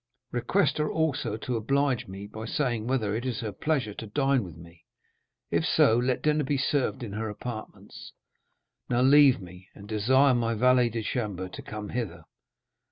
Request her also to oblige me by saying whether it is her pleasure to dine with me; if so, let dinner be served in her apartments. Now, leave me, and desire my valet de chambre to come hither."